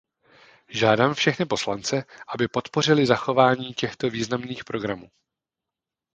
Žádám všechny poslance, aby podpořili zachování těchto významných programů.